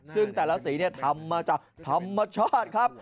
ซึ่งแต่ละสีทำมาจากธรรมชาติครับ